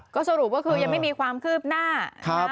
ก็สรุปก็คือยังไม่มีความคืบหน้า